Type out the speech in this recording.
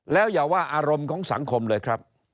แล้วอย่าว่าอารมณ์ของสังคมเลยครับ